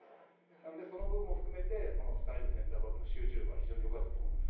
なので、その部分を含めて２人のセンターバックの集中力は非常に良かったと思います。